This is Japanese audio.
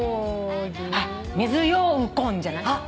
あっ「水ようこん」じゃない？